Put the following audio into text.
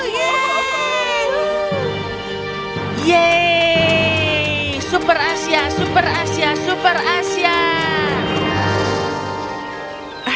yeay super asia super asia super asia